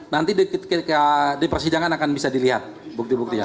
nanti di persidangan akan bisa dilihat bukti buktinya